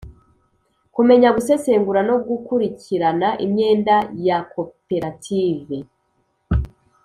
Kumenya gusesengura no gukurikirana imyenda yak operative